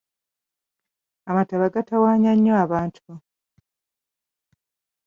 Amataba gatawaanya nnyo abantu.